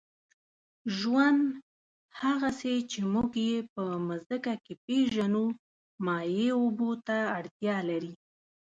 ژوند، هغسې چې موږ یې په مځکه کې پېژنو، مایع اوبو ته اړتیا لري.